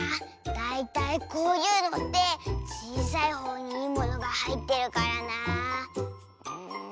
だいたいこういうのってちいさいほうにいいものがはいってるからなあ。